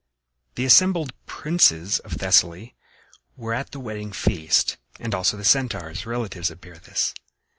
The assembled princes of Thessaly were at the wedding feast, and also the Centaurs, relatives of Pirithous.